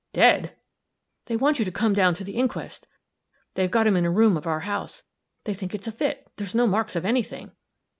"Dead!" "They want you to come down to the inquest. They've got him in a room of our house. They think it's a fit there's no marks of any thing."